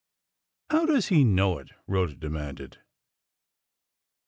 "How does he know it?" Rhoda demanded.